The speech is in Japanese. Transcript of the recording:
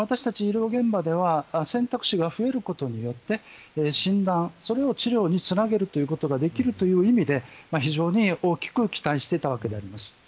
ですから私たち医療現場では選択肢が増えることによって診断、それを治療につなげるということができるという意味で非常に大きく期待していたわけであります。